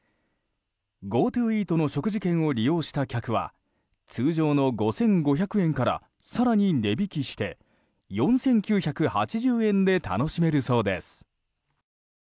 ＧｏＴｏイートの食事券を利用した客は通常の５５００円から更に値引きして４９８０円で楽しめるそうです。